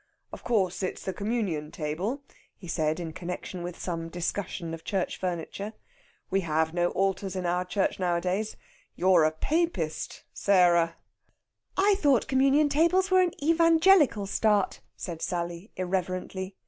"Of course, it's the Communion table," he said in connexion with some discussion of church furniture. "We have no altars in our church nowadays. You're a Papist, Sarah!" "I thought Communion tables were an Evangelical start," said Sally irreverently.